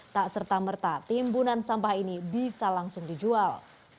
tak serta merta timbunan sampah ini bisa langsung dijual